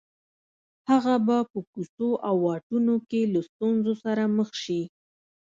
هغه به په کوڅو او واټونو کې له ستونزو سره مخ شي